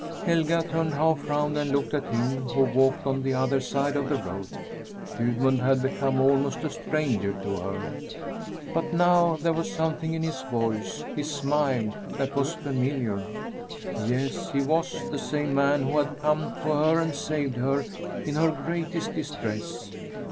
Helga turned half round and looked at him, who walked on the other side of the road. Gudmund had become almost a stranger to her; but now there was something in his voice, his smile, that was familiar. Yes, he was the same man who had come to her and saved her in her greatest distress.